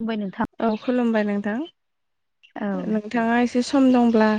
होनबाय नोंथां। औ खुलुमबाय औ नोंथां नोंथाङा एसे सम दंब्ला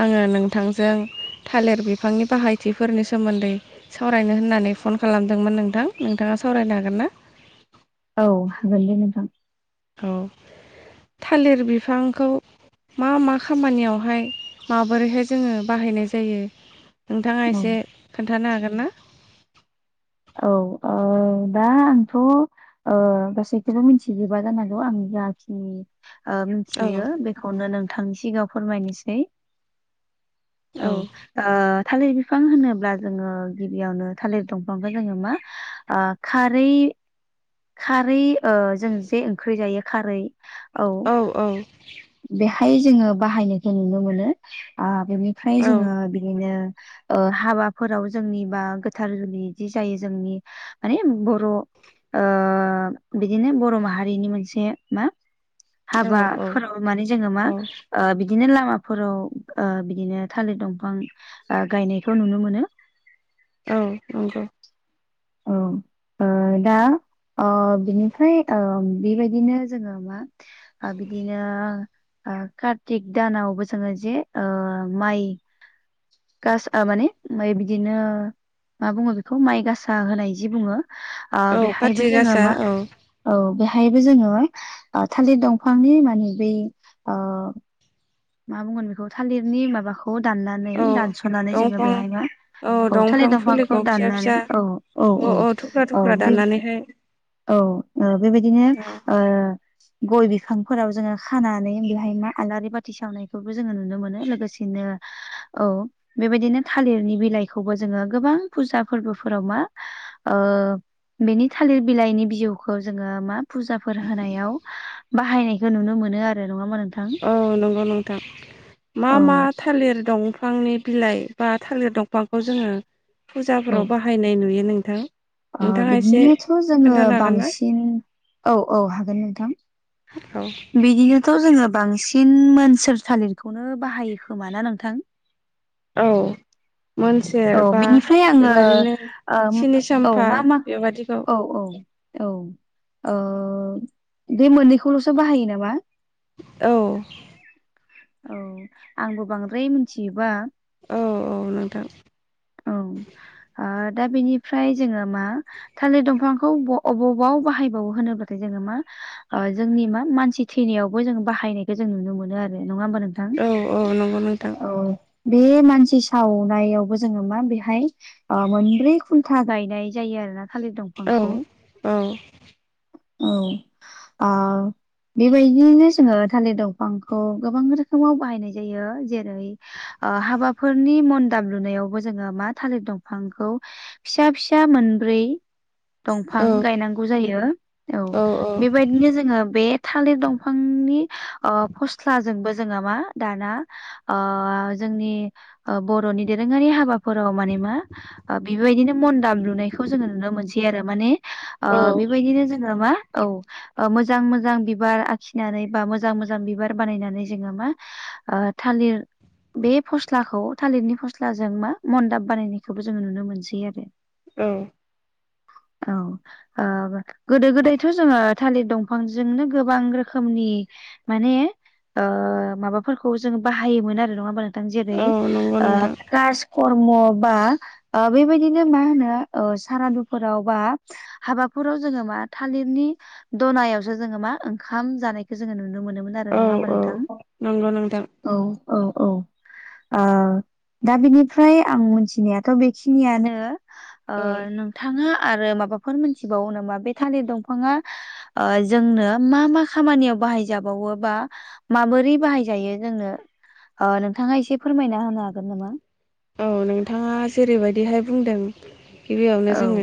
आङो नोंथांजों थालिर बिफांनि बाहायथिफोरनि सोमोन्दै सावरायनो होननानै फन खालामदोंमोन नोंथां नोंथाङा सावरायनो हागोन ना। औ हागोन दे नोंथां। औ थालिर बिफांखौ मा मा खामानियावहाय माबोरैहाय जोङो बाहायनाय जायो। नोंथाङा औ एसे खोन्थानो हागोन ना। औ आं दा आंथ'। ओ गासैखौबो मिथिजोबा जानांगौ आं जाखिनि ओ औ मिथियो बेखौनो नोंथांनि सिगाङाव फोरमायनोसै। औ ओ थालिर बिफां होनोब्ला जोङो गिबियावनो थालिर दं फांखौ जोङो मा ओ खारै खारै ओ जों जे ओंख्रि जायो खारै औ। औ औ। बेहाय जोङो बाहायनायखौ नुनो मोनो आ बेनिफ्राय औ जोङो बिदिनो ओ हाबाफोराव जोंनि बा गोथार जुलि जि जायो जोंनि माने बर' ओ बिदिनो बर' माहारिनि मोनसे मा औ हाबाफोराव माने जोङो मा औ ओ बिदिनो लामाफोराव ओ बिदिनो थालिर दंफां ओ गायनायखौ नुनो मोनो। औ नंगौ। औ ओ दा अ बिनिफ्राय अ बेबायदिनो जोङो मा ओ बिदिनो ओ कार्तिक दानावबो जोङो जे ओ माइ गासा माने माइ बिदिनो मा बुङो बेखौ माइ गासा होनाय जि बुङो ओ औ खाथि बेहायबो जोङो गासा मा औ औ बेहायबो जोङो ओ थालिर दंफांनि मानि बै ओ मा बुंगोन बेखौ थालिरनि माबाखौ दाननानै औ दानस'नानै जोङो दंफां बेहाय मा औ दंफां थालिर दंफांखौ फुलिखौ फिसा फिसा दाननानै औ औ अ औ अ थुख्रा औ। थुख्रा दाननानैहाय औ ओ बेबायदिनो ओ गय बिफांफोराव जोङो खानानै बेहाय मा आलारि बाथि सावनाय बो जोङो नुनो मोनो लोगोसेनो औ बेबायदिनो थालिरनि बिलाइखौबो जोङो गोबां फुजा फोरबोफोराव मा बेनि थालिर बिलाइनि बिजौखौ जोङो मा फुजाफोर होनायाव बाहायनायखौ नुनो मोनो आरो नङामा नोंथां। औ नंगौ नोंथां मा औ मा थालिर दं? बिफांनि बिलाइ बा थालिर दंफांखौ जोङो औ फुजाफोराव बाहायनाय नुयो नोंथां। नोंथाङा एसे बिदिनोथ' जोङो खोन्थानो हागोन ना बांसिन औ औ हागोन नोंथां। बिदिनोथ' जोङो बांसिन मोनसोर थालिरखौनो बाहायो खोमाना नोंथां? औ। मोनसेर औ बा बिनिफ्राय आङो बेबदिनो ओम सिनि औ साम्फा मा मा बेबादिखौ। औ औ बे मोननैखौल'सो बाहायो नामा। औ औ आंबो बांद्राय मिथियोबा। औ औ नोंथां औ ओ दा बेनिफ्राय जोङो मा थालिर दंफांखौ अबावबाव बाहायबावो होनोब्लाथाय जोङो मा जोंनि मा मानसि थैनायावबो जों बाहायनायखौ जों नुनो मोनो आरो नङा होमबा नोंथां औ औ नंगौ नोंथां। औ बे मानसि सावनायावबो जोङो मा बेहाय मोनब्रै खुलथा गायनाय जायो आरोोना थालिर औ दंफांखौ औ औ आ बेबायदियनो जोङो थालिर दंफांखौ गोबां रोखोमाव बाहायनाय जायो जेरै हाबाफोरनि मन दामलुनायावबो जोङो मा थालिर दंफांखौ फिसा फिसा मोनब्रै दंफां औ गायनांगौ जायो औ बेबायदि बिदिनो जोङो बे थालिर दंफांनि फस्लाजोंबो जोङो मा दाना जोंनि बर'नि दोरोङारि हाबाफोराव माने मा बेबायदिनो मन दाम लुनायखौ जोङो नुनो मोनसै आरो माने बेबायदिनो जों औ मोजां मोजां बिबार आखिनानै बा मोजां मोजां बिबार बानायनानै जोङो मा आ थालिर बे फस्लाखौ थालिरनि फस्लाजों मा मन्दाब बानायनायखौबो जोङो नुनो मोनसै आरो औ औ आ गोदो गोदायथ' जोङो थालिर दंफांजोंनो गोबां रोखोमनि माने माबाफोरखौ जोङो बाहायोमोन आरो नङा होमबा नोंथां जेरै औ नंगौ नोंथां कास खर्म बा बेबायदिनो मा होनो सारादुफोराव बा हाबाफोराव जोङो मा थालिरनि दनायावसो जोङो मा ओंखाम जानायखौ जोङो नुनो मोनोमोन आरो औ नङा ह औ नोंथां नंगौ नोंथां औ औ औ दा बिनिफ्राय आं मिथिनायाथ' बेखिनियानो औ नोंथाङा आरो माबाफोर मोनथिबावो नामा बे थालिर दंफाङा जोंनो मा मा खामानियाव बाहायजाबावो बा माबोरै बाहायजायो जोंनो नोंथाङा एसे फोरमायना होनो हागोन नामा औ नोंथाङा जेरैबायदिहाय बुंदों गिबियावनो औ जोङो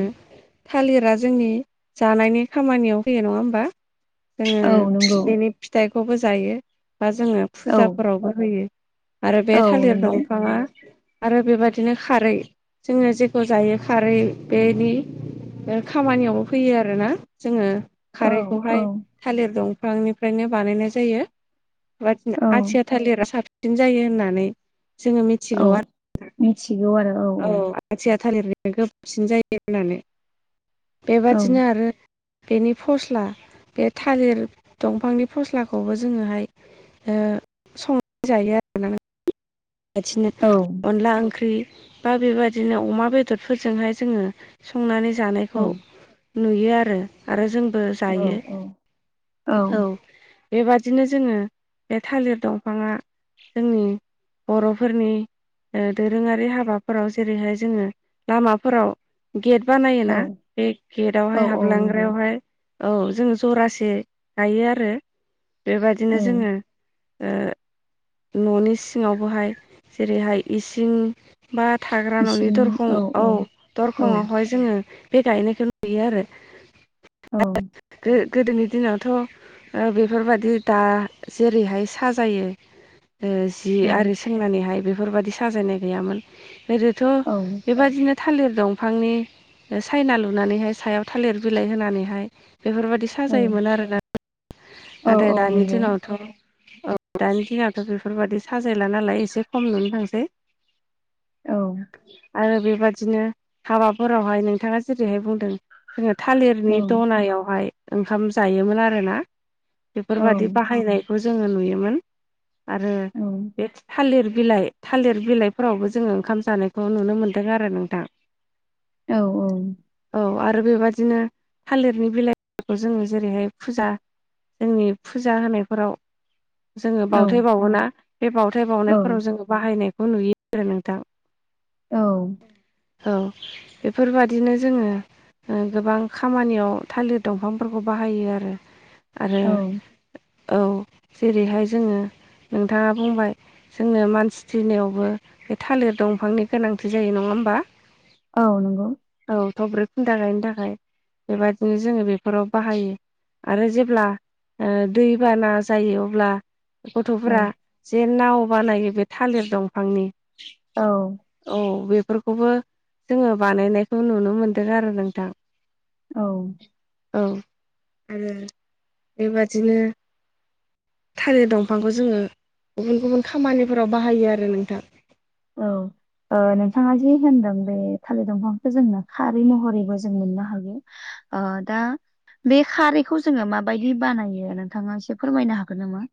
थालिरा जोंनि जानायनि खामानियाव फैयो नङा होमबा औ नंगौ जोङो बेनि फिथाइखौबो जायो बा जोङो औ फुजाफोरावबो होयो। आरो बे औ थालिर नंगौ दंफाङा आरो बेबायदिनो खारै जोङो जेखौ जायो खारै बेनि खामानियावबो फैयो आरोना। जोङो औ औ खारैखौहाय थालिर दंफांनिफ्रायनो बानायनाय जायो ब औ आथिया थालिरा साबसिन जायो होननानै जोङो मिथि औ मिथिगौ आरो औ खाथिया थालिरनिया गोबाबसिन जायो होननानै औ बेबादिनो आरो बेनि फस्ला बे थालिर दंफांनि फस्लाखौबो जोङोहाय ओ संनानै जायो आरो ना नोंथा औ बेबाबिदिनो ओंख्रि बा बेबादिनो अमा बेदरफोरजोंहाय जोङो संनानै औ जानायखौ नुयो आरो आरो जोंबो औ औ जायो औ बेबादिनो जोङो बे थालिर दंफाङा जोंनि बर'फोरनि ओ दोरोङारि हाबाफोराव जेरैहाय जोङो लामाफोराव गेट औ बानायोना बे गेटावहाय औ औ नंगौ हाबलांग्रायावहाय औ जोङो जरासे गायो आरो बेबायदिनो औ जोङो ओ न'नि सिङावबोहाय जेरैहाय इसिं बा थाग्रा न'नि दरखं औ औ दरखंआवहाय जोङो बे गायनायखौ नुयो आरो औ गो गोदोनि दिनावथ' बेफोरबायदि दा जेरैहाय साजायो ओ जि औ आरो सोंनानैहाय बेफोरबायदि साजायनाय गैयामोन गोदोथ' औ बेबायदिनो थालिर दंफांनि सायना लुनानैहाय सायाव थालिर बिलाइ होनानैहाय बेफोरबायदि औ साजायोमोन आरोना औ नाथाय औ दानि नंगौ दिनावथ' औ दानि दिनाथ' बेफोरबायाददि साजायला नालाय एसे खम नुनो थांसै औ आरो बेबादिनो हाबाफोरावहाय नोंथाङा जेरैहाय बुंदों जोङो थालिरनि औ दनायावहाय ओंखाम जायोमोन आरोना बेफोरबादि औ बाहायनायखौ जोङो नुयोमोन आरो औ बे थालिर बिलाइ थालिर बिलाइफोरावबो जोङो ओंखाम जानायखौ नुनो मोन्दों आरो नोंथां औ औ आरो बेबादिनो थालिरनि बिलाइफोरखौ जोङो जेरैहाय फुजा जोंनि फुजा होनायफोराव जोङो बावथाय औ बावोना बे बावथाय बावनायफोराव औ जोङो बाहायनायखौ नुयो आरो नोंथां औ औ बेफोरबादिनो जोङो ओ गोबां खामानियाव थालिर दंफांफोरखौ बाहायो आरो आरो औ औ जेरैहाय जोङो नोंथाङा बुंबाय जोंनो मानसि थैनायावबो बे थालिर दंफांनि गोनांथि जायो नङा होमबा औ नंगौ औ थब्रै खुन्था गायनो थाखाय बेबायदिनो जोङो बेफोराव बाहायो आरो जे ब्ला ओ दै बाना जायो अब्ला औ गथ'फोरा जे नाव बानायो बे थालिर दंफांनि औ औ बेफोरखौबो जोङो बानायनायखौ नुनो मोनदों आरो नोंथां औ औ ओम बेबादिनो थालिर दंफांखौ जोङो गुबुन गुबुन खामानिफोराव बाहायो आरो नोंथां औ ओ नोंथाङा जि होनदों बे थालिर दंफांखौ जोंनो खारै महरैबो जों मोननो हायो। ओ दा बे खारैखौ जोङो माबायदि बानायो नोंथाङा एसे फोरमायनो हागोन नामा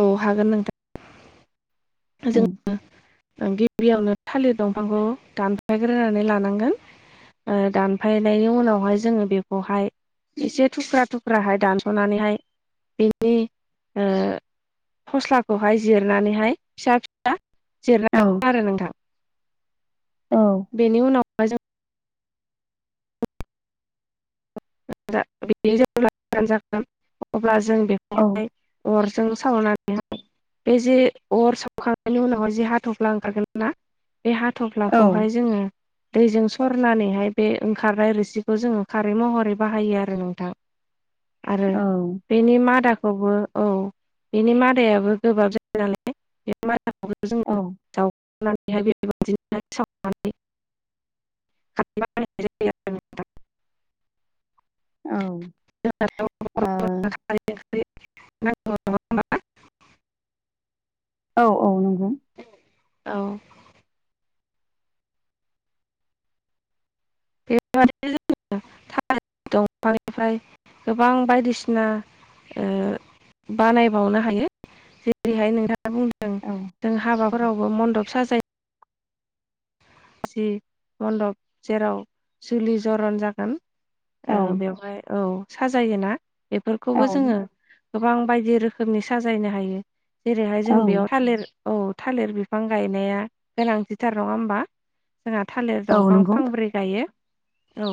औ हागोन नोंथां औ जोंङो गिबियावनो थालिर दंफांखौ दानफायग्रोनानै लानांगोन। ओ दानफायनायनि उनावहाय जोंङो बेखौहाय एसे थुख्रा थुख्राहाय दानस'नानैहाय बिनि ओ फस्लाखौहाय जिरनानैहाय फिसा फि जिरना आरो नोंथां औ बेनि उनाव [unintelligible] जागोन अब्ला जों बे औ। अरजों सावनानैहाय बे जे अर सावखांनायनि उनावहाय जे हाथ'फ्ला ओंखारगोन ना बे औ हाथ'फ्लाखौहाय जोंङो दैजों सरनानैहाय बे ओंखारनाय रोसिखौ जोंङो खारै महरै बाहायो आरो नोंथां आरो औ बेनि मादाखौबो औ बेनि मादायाबो गोबाब जायो नालाय औ [unintelligible] [unintelligible] बेबायदिनो सावनानै खारै बानायनाय जायो आरो नोंथां औ। ओ [unintelligible] नांगौ नालाय औ औ नंगौ। औ। बे [unintelligible] दंफांनिफ्राय गोबां बायदिसिना ओ बानायबावनो हायो जेरैहाय नोंथां बुंदों औ जों हाबाफोरावबो मन्दब साजायो जि मन्दब जेराव जुलि जरन जागोन। औ ओ बेवहाय औ साजायोना औ बेफोरखौबो जोंङो गोबां बायदि रोखोमनि साजायनो हायो जेरैहाय औ जों बेयाव थालिर औ थालिर बिफां गायनाया गोनांथिथार नङा होमबा? जोंहा थालिर औ दंफां नंगौ फांब्रै गायो औ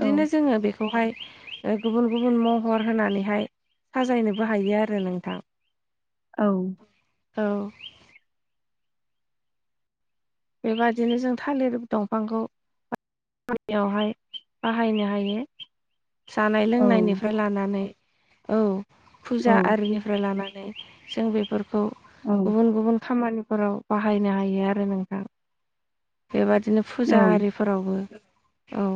औ जोंङो बेखौ हाय गुबुन गुबुन महर होनानैहाय साजायनोबो हायो आरो नोंथां। औ। औ। बेबादिनो जों थालिर दंफांखौ बेवहाय बाहायनो हायो। जानाय औ लोंनायनिफ्राय लानानै औ फुजा आरिनि फ्राय लानानै जों बेफोरखौ औ गुबुन गुबुन खामानिफोराव बाहायनो हायो आरो नोंथां। बेबादिनो फुजा आरिफोरावबो औ।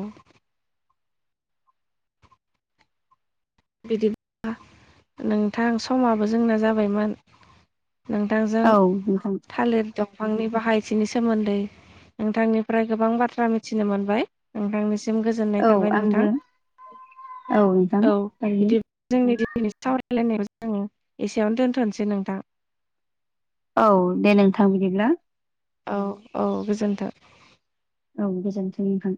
बिदिब्ला नोंथां समाबो जोंना जाबायमोन। नोंथांजों औ नोंथां थालिर दंफांनि बाहायथिनि सोमोन्दै नोंथांनिफ्राय गोबां बाथ्रा मिथिनो मोनबाय। नोंथांनिसि जों गोजोननाय औ थाबाय आंबो नोंथां औ औ, बिदि [unintelligible] जोंनि दिनैनि सावरायलायनायखौ जों एसेयावनो दोन्थ'सै नोंथां। औ दे नोंथां बिदिब्ला। औ औ गोजोन्थों। औ गोजोन्थों नोंथां।